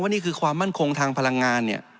ว่านี่คือความมั่นคงทางพลังงาน